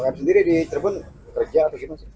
jadi di cirebon kerja atau gimana sih